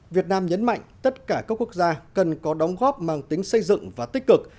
việt nam nhấn mạnh tất cả các quốc gia cần có đóng góp mang tính xây dựng và tích cực